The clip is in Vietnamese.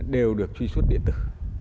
đều được truy xuất điện tử